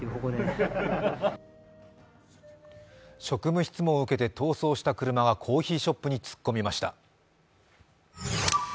職務質問を受けて逃走した車がコーヒーショップに突っ込みました。